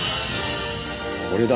これだ！